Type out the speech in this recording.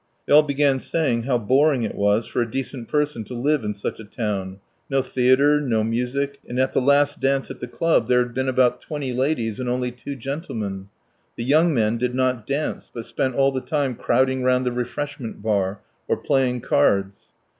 They all began saying how boring it was for a decent person to live in such a town. No theatre, no music, and at the last dance at the club there had been about twenty ladies and only two gentlemen. The young men did not dance, but spent all the time crowding round the refreshment bar or playing cards.